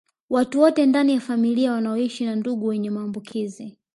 Watu wote ndani ya familia wanaoshi na ndugu mwenye maambukizi